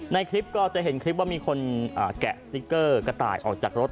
ในคลิปก็จะเห็นคลิปว่ามีคนแกะสติ๊กเกอร์กระต่ายออกจากรถ